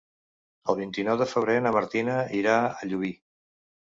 El vint-i-nou de febrer na Martina irà a Llubí.